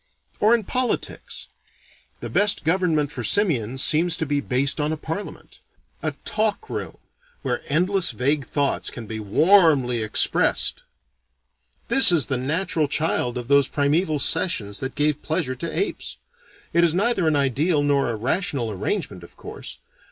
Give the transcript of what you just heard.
Or in politics: the best government for simians seems to be based on a parliament: a talk room, where endless vague thoughts can be warmly expressed. This is the natural child of those primeval sessions that gave pleasure to apes. It is neither an ideal nor a rational arrangement, of course.